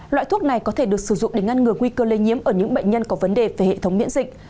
loại thuốc này có thể được sử dụng để ngăn ngừa nguy cơ lây nhiễm ở những bệnh nhân có vấn đề về hệ thống miễn dịch